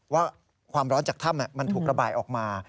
ว่าความร้อนจากถ้ำมันถูกระบายออกมา